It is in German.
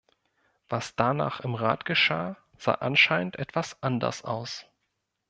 Was danach im Rat geschah, sah anscheinend etwas anders aus.